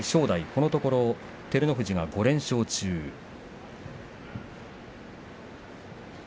このところ照ノ富士が５連勝中です。